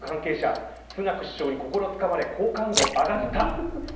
政府関係者、スナク首相に心つかまれ好感度上がった。